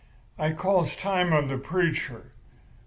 I calls time on the preacher.